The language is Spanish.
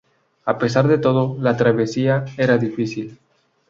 A pesar de todo, la travesía era difícil.